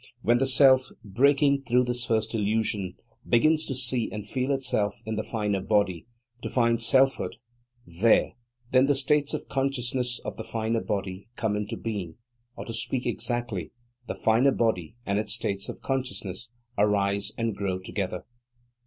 When the Self, breaking through this first illusion, begins to see and feel itself in the finer body, to find selfhood there, then the states of consciousness of the finer body come into being; or, to speak exactly, the finer body and its states of consciousness arise and grow together.